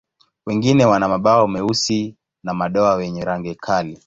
Wengine wana mabawa meusi na madoa wenye rangi kali.